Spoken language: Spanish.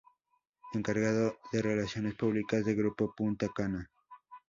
Encargado de Relaciones Públicas del Grupo Punta Cana.